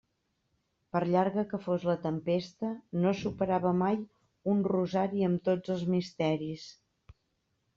Per llarga que fos la tempesta no superava mai un rosari amb tots els misteris.